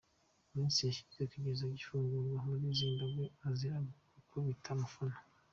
Mu minsi yashize yigeze gufungirwa muri Zimbabwe azira gukubita umufana.